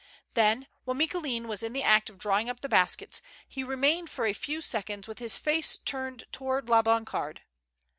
Then, while Micoulin was in the act of drawing up the baskets, he remained for a few seconds with his face turned towards La Blancarde.